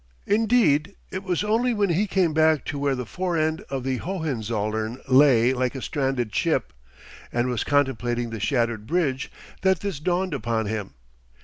Indeed it was only when he came back to where the fore end of the Hohenzollern lay like a stranded ship, and was contemplating the shattered bridge, that this dawned upon him.